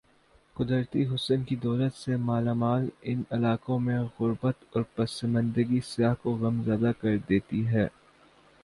قدرتی حسن کی دولت سے مالا مال ان علاقوں میں غر بت اور پس ماندگی سیاح کو غم زدہ کر دیتی ہے ۔